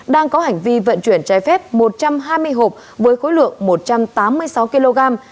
đang có hành vi vận chuyển trái phép một trăm hai mươi hộp với khối lượng một trăm tám mươi sáu kg